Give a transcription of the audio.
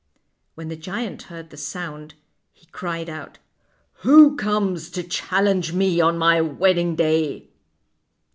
When the giant heard the sound he cried out: " Who comes to challenge me on my wedding day?